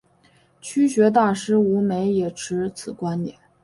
曲学大师吴梅也持此观点。